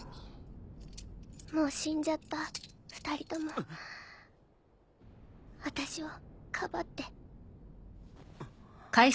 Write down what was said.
もう死んじゃった二人とも。あたしをかばって。